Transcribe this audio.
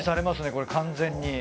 これ完全に。